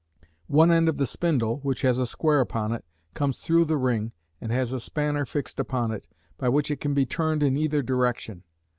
One end of the spindle, which has a square upon it, comes through the ring, and has a spanner fixed upon it, by which it can be turned in either direction.